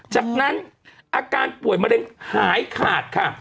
จากนั้นอาการป่วยมะเร็งหายขาดค่ะ